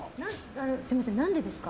すみません、何でですか。